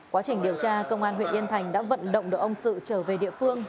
quá trình điều tra công an huyện yên thành đã vận động được ông sự trở về địa phương